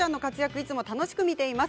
いつも楽しみに見ています。